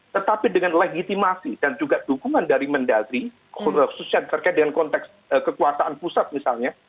tetapi dengan legitimasi dan juga dukungan dari mendagri khususnya terkait dengan konteks kekuasaan pusat misalnya